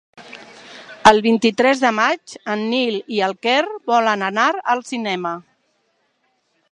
El vint-i-tres de maig en Nil i en Quer volen anar al cinema.